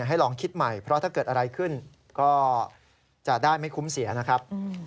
ให้ลองคิดใหม่เพราะถ้าเกิดอะไรขึ้นก็จะได้ไม่คุ้มเสียนะครับ